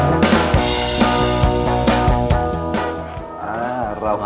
โชคดีมากเลยเพราะข้างในธนอนิยาศครับ